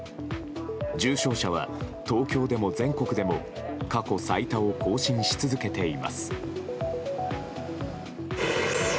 重症者は東京でも全国でも過去最多を更新し続けています。